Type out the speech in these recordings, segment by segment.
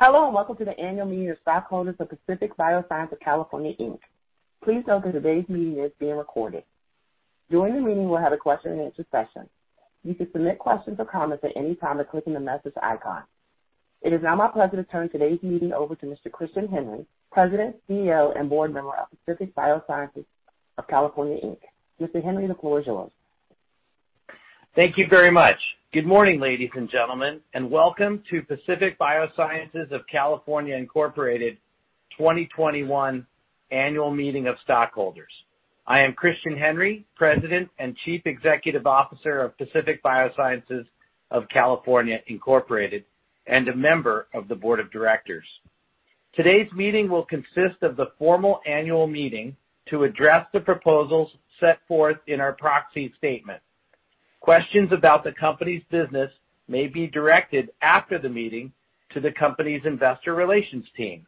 Hello and welcome to the Annual Meeting of Stockholders of Pacific Biosciences of California, Inc. Please note that today's meeting is being recorded. During the meeting, we'll have a question-and-answer session. You can submit questions or comments at any time by clicking the message icon. It is now my pleasure to turn today's meeting over to Mr. Christian Henry, President, CEO, and Board Member of Pacific Biosciences of California, Inc. Mr. Henry, the floor is yours. Thank you very much. Good morning, ladies and gentlemen, and welcome to Pacific Biosciences of California, Inc. 2021 Annual Meeting of Stockholders. I am Christian Henry, President and Chief Executive Officer of Pacific Biosciences of California, Inc., and a member of the Board of Directors. Today's meeting will consist of the formal annual meeting to address the proposals set forth in our proxy statement. Questions about the company's business may be directed after the meeting to the company's investor relations team.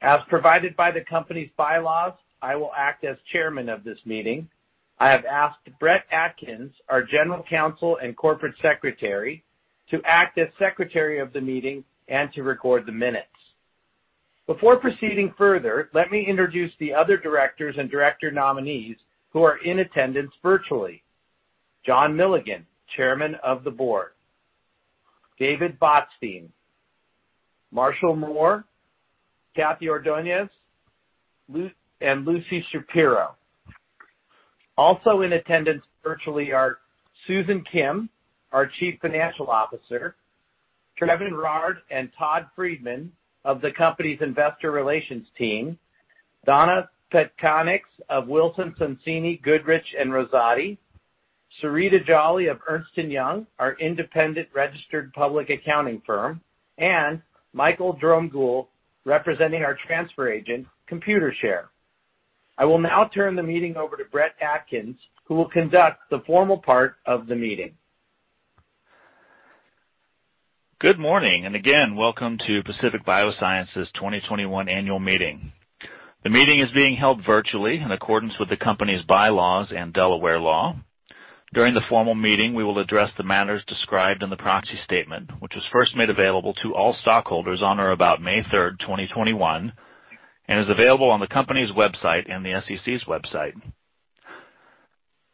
As provided by the company's bylaws, I will act as Chairman of this meeting. I have asked Brett Atkins, our General Counsel and Corporate Secretary, to act as secretary of the meeting and to record the minutes. Before proceeding further, let me introduce the other directors and director nominees who are in attendance virtually. John Milligan, Chairman of the Board. David Botstein, Marshall Mohr, Kathy Ordoñez, and Lucy Shapiro. Also in attendance virtually are Susan Kim, our Chief Financial Officer, Trevin Rard and Todd Friedman of the company's investor relations team, Donna Petkanics of Wilson Sonsini Goodrich & Rosati, Surita Jolly of Ernst & Young, our independent registered public accounting firm, and Michael Dromgoole, representing our transfer agent, Computershare. I will now turn the meeting over to Brett Atkins, who will conduct the formal part of the meeting. Good morning, and again, welcome to Pacific Biosciences' 2021 Annual Meeting of Stockholders. The meeting is being held virtually in accordance with the company's bylaws and Delaware law. During the formal meeting, we will address the matters described in the proxy statement, which was first made available to all stockholders on or about May 3rd, 2021, and is available on the company's website and the SEC's website.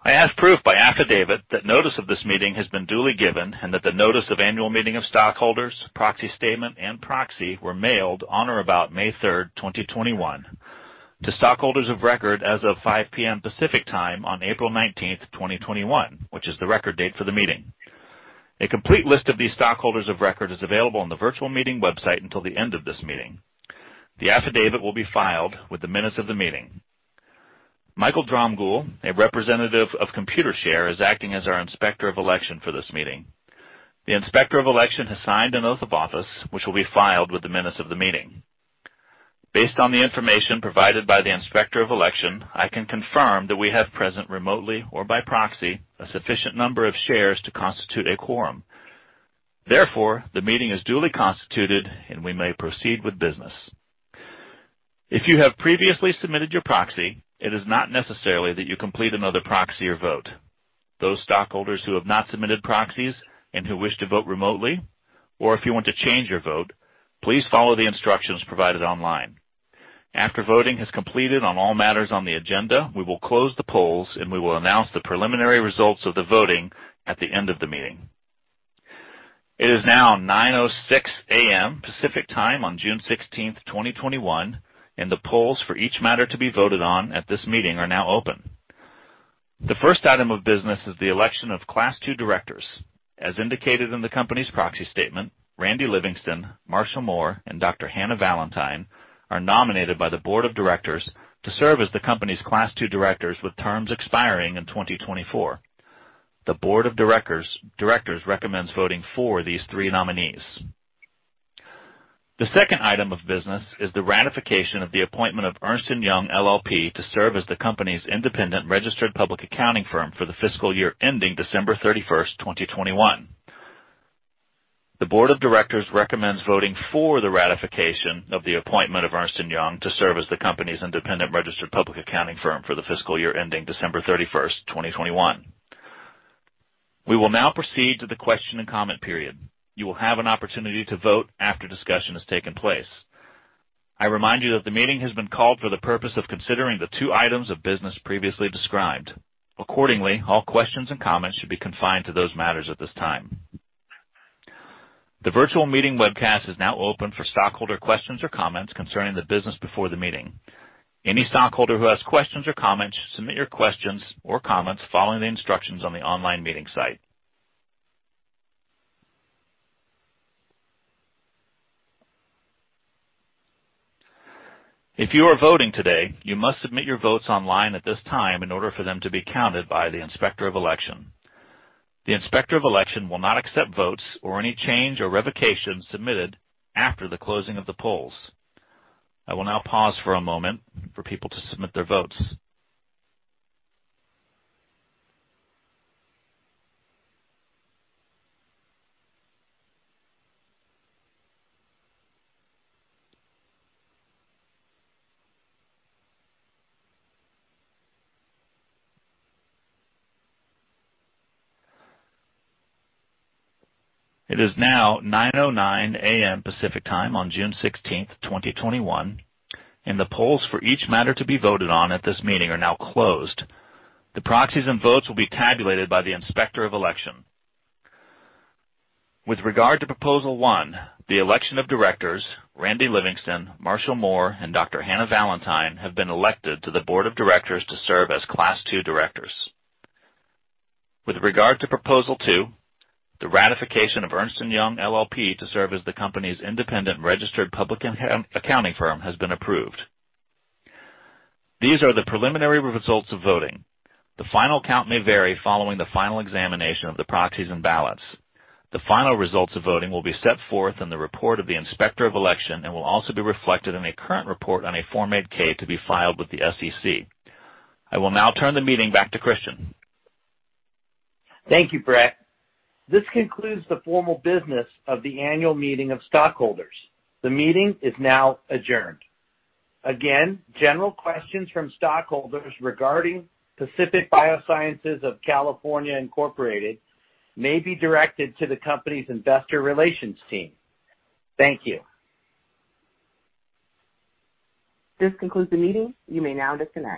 I ask proof by affidavit that notice of this meeting has been duly given and that the notice of annual meeting of stockholders, proxy statement, and proxy were mailed on or about May 3rd, 2021, to stockholders of record as of 5:00 P.M. Pacific Time on April 19th, 2021, which is the record date for the meeting. A complete list of these stockholders of record is available on the virtual meeting website until the end of this meeting. The affidavit will be filed with the minutes of the meeting. Michael Dromgoole, a representative of Computershare, is acting as our inspector of election for this meeting. The inspector of election has signed an oath of office, which will be filed with the minutes of the meeting. Based on the information provided by the inspector of election, I can confirm that we have present remotely or by proxy a sufficient number of shares to constitute a quorum. Therefore, the meeting is duly constituted, and we may proceed with business. If you have previously submitted your proxy, it is not necessary that you complete another proxy or vote. Those stockholders who have not submitted proxies and who wish to vote remotely, or if you want to change your vote, please follow the instructions provided online. After voting has completed on all matters on the agenda, we will close the polls, and we will announce the preliminary results of the voting at the end of the meeting. It is now 9:06 A.M. Pacific Time on June 16th, 2021, and the polls for each matter to be voted on at this meeting are now open. The first item of business is the election of Class 2 directors. As indicated in the company's proxy statement, Randy Livingston, Marshall Mohr, and Dr. Hannah Valantine are nominated by the Board of Directors to serve as the company's Class 2 directors with terms expiring in 2024. The Board of Directors recommends voting for these three nominees. The second item of business is the ratification of the appointment of Ernst & Young LLP to serve as the company's independent registered public accounting firm for the fiscal year ending December 31st, 2021. The Board of Directors recommends voting for the ratification of the appointment of Ernst & Young to serve as the company's independent registered public accounting firm for the fiscal year ending December 31st, 2021. We will now proceed to the question and comment period. You will have an opportunity to vote after discussion has taken place. I remind you that the meeting has been called for the purpose of considering the two items of business previously described. All questions and comments should be confined to those matters at this time. The virtual meeting webcast is now open for stockholder questions or comments concerning the business before the meeting. Any stockholder who has questions or comments should submit your questions or comments following the instructions on the online meeting site. If you are voting today, you must submit your votes online at this time in order for them to be counted by the inspector of election. The inspector of election will not accept votes or any change or revocation submitted after the closing of the polls. I will now pause for a moment for people to submit their votes. It is now 9:09 A.M. Pacific Time on June 16th, 2021, and the polls for each matter to be voted on at this meeting are now closed. The proxies and votes will be tabulated by the inspector of election. With regard to Proposal 1, the election of directors, Randy Livingston, Marshall Mohr, and Dr. Hannah Valantine have been elected to the Board of Directors to serve as Class 2 directors. With regard to Proposal 2, the ratification of Ernst & Young LLP to serve as the company's independent registered public accounting firm has been approved. These are the preliminary results of voting. The final count may vary following the final examination of the proxies and ballots. The final results of voting will be set forth in the report of the inspector of election and will also be reflected in a current report on a Form 8-K to be filed with the SEC. I will now turn the meeting back to Christian. Thank you, Brett. This concludes the formal business of the Annual Meeting of Stockholders. The meeting is now adjourned. Again, general questions from stockholders regarding Pacific Biosciences of California, Inc may be directed to the company's investor relations team. Thank you. This concludes the meeting. You may now disconnect.